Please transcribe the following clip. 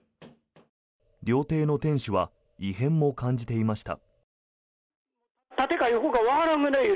料亭の店主は異変も感じていました。